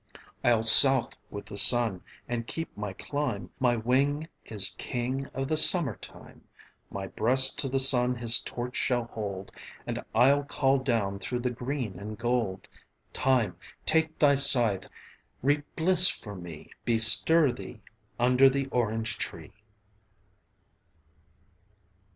I'll south with the sun, and keep my clime; My wing is king of the summer time; My breast to the sun his torch shall hold; And I'll call down through the green and gold `Time, take thy scythe, reap bliss for me, Bestir thee under the orange tree.'"